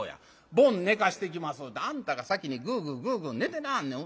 『ボン寝かしてきます』ってあんたが先にグーグーグーグー寝てなはんねん。